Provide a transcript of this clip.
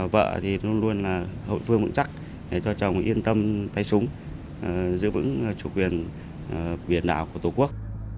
vợ luôn luôn hội phương bụng chắc cho chồng yên tâm tay súng giữ vững chủ quyền biển đảo của tổ quốc